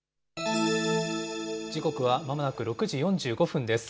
時刻はまもなく６時４５分です。